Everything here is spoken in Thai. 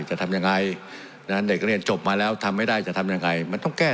สวัสดีสวัสดีสวัสดีสวัสดีสวัสดี